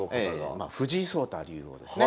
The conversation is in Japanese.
まあ藤井聡太竜王ですね。